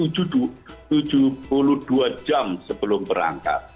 tujuh puluh dua jam sebelum berangkat